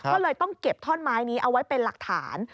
ก็เลยต้องเก็บท่อนไม้นี้เอาไว้เป็นหลักฐาน